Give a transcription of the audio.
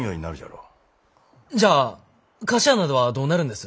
じゃあ菓子屋などはどうなるんです？